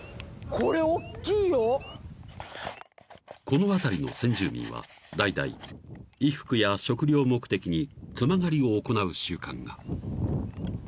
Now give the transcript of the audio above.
［この辺りの先住民は代々衣服や食料目的に熊狩りを行う習慣が］